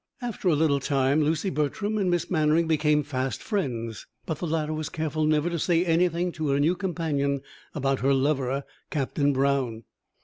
After a little time Lucy Bertram and Miss Mannering became fast friends, but the latter was careful never to say anything to her new companion about her lover, Captain Brown.